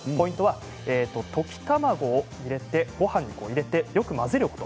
溶き卵を入れて、ごはんに入れてよく混ぜること。